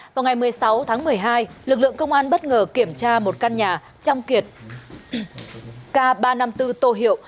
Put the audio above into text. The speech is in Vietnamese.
vào ngày một mươi sáu tháng một mươi hai lực lượng công an bất ngờ kiểm tra một căn nhà trong kiệt k ba trăm năm mươi bốn tô hiệu